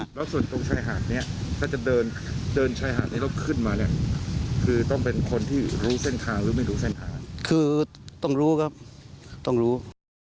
คือต้องรู้ครับต้องรู้